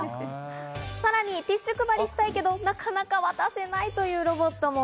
さらにティッシュ配りしたいけど、なかなか渡せないというロボットも。